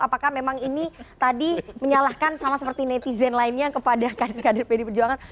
apakah memang ini tadi menyalahkan sama seperti netizen lainnya kepada kader kader pd perjuangan